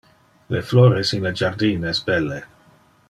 Le flores in le jardin es belle.